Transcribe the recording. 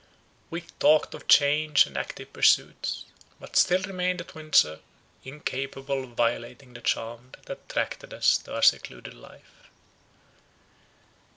We talked of change and active pursuits, but still remained at Windsor, incapable of violating the charm that attached us to our secluded life.